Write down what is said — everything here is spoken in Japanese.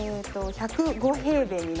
１０５平米。